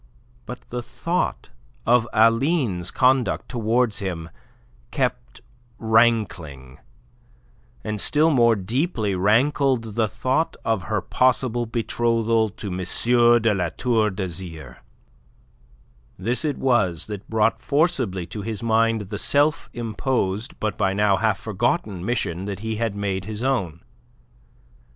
But the thought of Aline's conduct towards him kept rankling, and still more deeply rankled the thought of her possible betrothal to M. de La Tour d'Azyr. This it was that brought forcibly to his mind the self imposed but by now half forgotten mission that he had made his own.